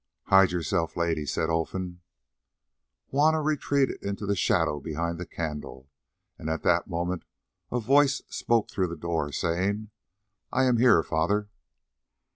"Hide yourself, Lady," said Olfan. Juanna retreated into the shadow behind the candle, and at that moment a voice spoke through the open door, saying, "I am here, father."